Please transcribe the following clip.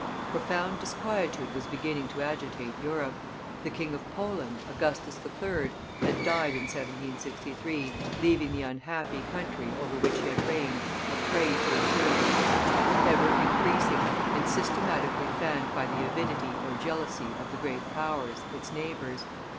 Profound disquietude was beginning to agitate Europe: the King of Poland, Augustus III., had died in 1763, leaving the unhappy country over which he had reigned a prey to internal anarchy ever increasing and systematically fanned by the avidity or jealousy of the great powers, its neighbors.